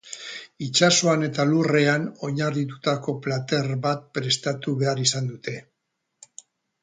Itsasoan eta lurrean oinarritutako plater bat prestatu behar izan dute.